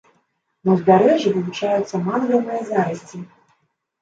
На ўзбярэжжы вылучаюцца мангравыя зарасці.